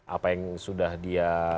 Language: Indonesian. apa yang sudah dia